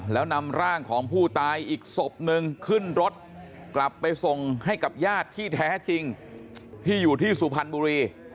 แล้วนำร่างของผู้ตายอีกศพนึงขึ้นรถกลับไปส่งให้กับญาติที่แท้จริงที่อยู่ที่สุพรรณบุรี